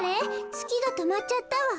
つきがとまっちゃったわ。